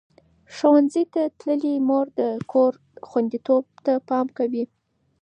ښوونځې تللې مور د کور خوندیتوب ته پام کوي.